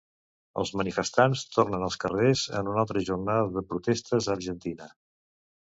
Els manifestants tornen als carrers en una altra jornada de protestes a Argentina.